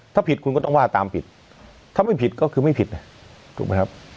ถ้าผิดคุณก็ต้องว่าตามผิดถ้าไม่ผิดก็คือไม่ผิดถูกไหมครับ